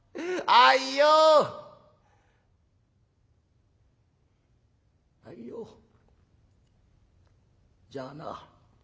「あいよじゃあな。